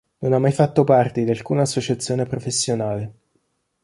Non ha mai fatto parte di alcuna associazione professionale.